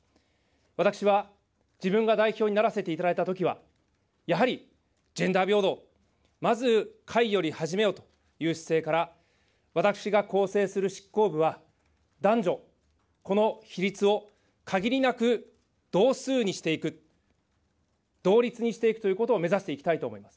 私は、自分が代表にならせていただいたときは、やはりジェンダー平等、まず隗より始めよという姿勢から、私が構成する執行部は、男女、この比率を限りなく同数にしていく、同率にしていくということを目指していきたいと思います。